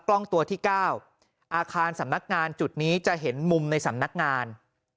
กล้องตัวที่๙อาคารสำนักงานจุดนี้จะเห็นมุมในสำนักงาน